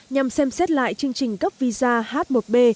nhằm xem xét lại chương trình cấp visa h một b